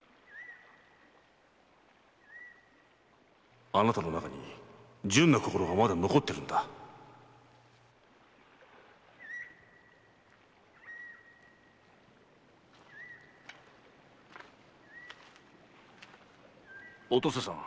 〔あなたの中に純な心がまだ残ってるんだ〕お登世さん。